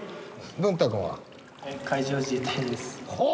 文太君は？